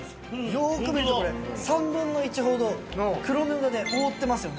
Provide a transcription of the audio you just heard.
よーく見るとこれ３分の１ほど黒布で覆ってますよね。